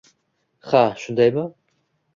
Ha, shundaymi?